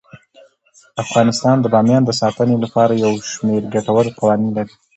افغانستان د بامیان د ساتنې لپاره یو شمیر ګټور قوانین لري.